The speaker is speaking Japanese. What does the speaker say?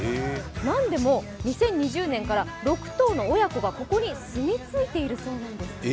なんでも、２０２０年から６頭の親子がここに住みついているそうなんです。